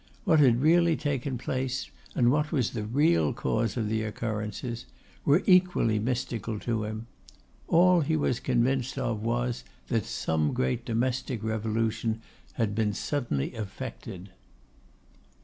What had really taken place, and what was the real cause of the occurrences, were equally mystical to him: all he was convinced of was, that some great domestic revolution had been suddenly effected.